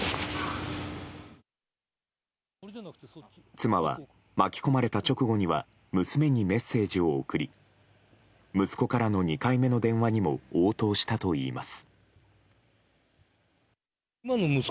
妻は、巻き込まれた直後には娘にメッセージを送り息子からの２回目の電話にも応答したといいます。